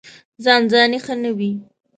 ځان ځاني ښه نه وي.